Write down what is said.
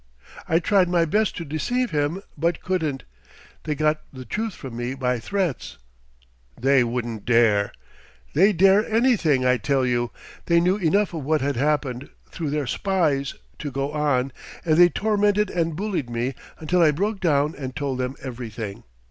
"I tried my best to deceive him, but couldn't. They got the truth from me by threats " "They wouldn't dare " "They dare anything, I tell you! They knew enough of what had happened, through their spies, to go on, and they tormented and bullied me until I broke down and told them everything...